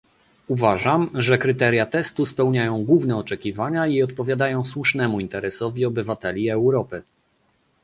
Uważam, że kryteria testu spełniają główne oczekiwania i odpowiadają słusznemu interesowi obywateli Europy